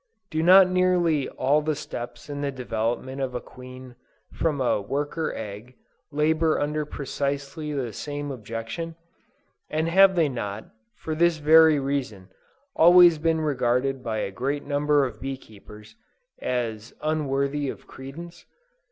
Do not nearly all the steps in the development of a queen from a worker egg, labor under precisely the same objection? and have they not, for this very reason, always been regarded by great numbers of bee keepers, as unworthy of credence?